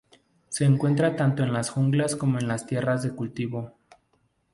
Se encuentra tanto en las junglas como en las tierras de cultivo.